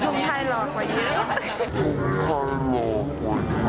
กุมไทยหลอกกว่าอีก